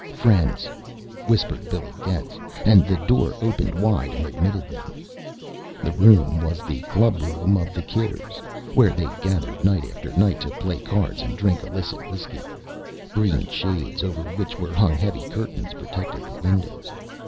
"Friends," whispered Billy Getz, and the door opened wide and admitted them. The room was the club room of the Kidders, where they gathered night after night to play cards and drink illicit whiskey. Green shades over which were hung heavy curtains protected the windows.